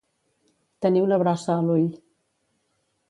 Tenir una brossa a l'ull.